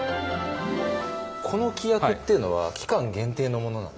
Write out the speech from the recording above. この規約っていうのは期間限定のものなんですか？